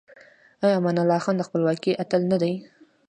آیا امان الله خان د خپلواکۍ اتل نه دی؟